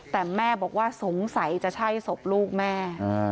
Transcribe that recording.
แต่แม่บอกว่าสงสัยจะใช่ศพลูกแม่